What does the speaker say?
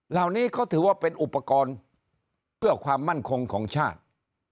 เหล่านี้เขาถือว่าเป็นอุปกรณ์เพื่อความมั่นคงของชาติ